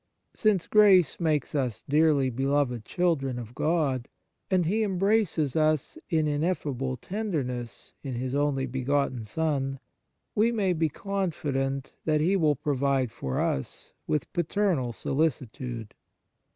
Since grace makes us dearly beloved children of God, and He embraces us in ineffable tenderness in His only begotten Son, we may be confident that He will provide for us with paternal solicitude.